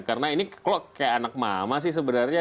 karena ini kayak anak mama sih sebenarnya